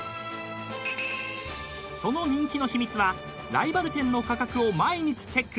［その人気の秘密はライバル店の価格を毎日チェック］